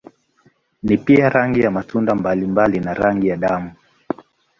Ni pia rangi ya matunda mbalimbali na rangi ya damu.